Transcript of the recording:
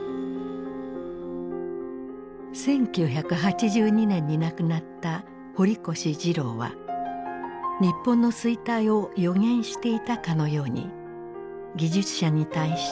１９８２年に亡くなった堀越二郎は日本の衰退を予言していたかのように技術者に対してこんな言葉を贈っている。